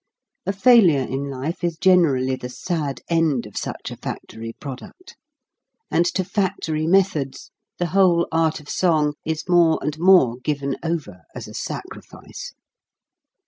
A failure in life is generally the sad end of such a factory product ; and to factory methods the whole art of song is more and more given over as a sacrifice.